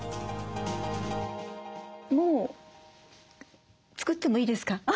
もう作ってもいいですか？